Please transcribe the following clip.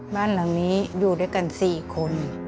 บ้านหลังนี้อยู่ด้วยกัน๔คน